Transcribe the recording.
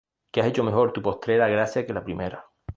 que has hecho mejor tu postrera gracia que la primera.